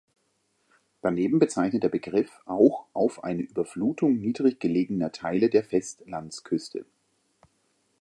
Daneben bezeichnet der Begriff auch auf eine Überflutung niedrig gelegener Teile der Festlandsküste.